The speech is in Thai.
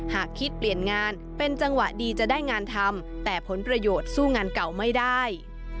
หากคิดเปลี่ยนงานเป็นจังหวะดีจะได้งานทำแต่ผลประโยชน์สู้งานเก่าไม่ได้